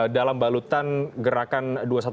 dalam balutan gerakan dua ratus dua belas